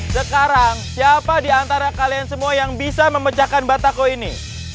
sekarang siapa di antara kalian semua yang bisa memecahkan batako ini